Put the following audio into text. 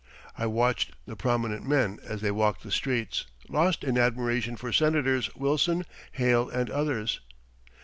I watched the prominent men as they walked the streets, lost in admiration for Senators Wilson, Hale, and others.